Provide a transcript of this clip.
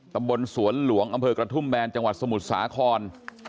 ตำบลสวนหลวงอำเภอกระทุ่มแบนจังหวัดสมุทรสาคร